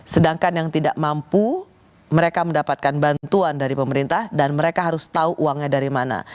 sedangkan yang tidak mampu mereka mendapatkan bantuan dari pemerintah dan mereka harus tahu uangnya dari mana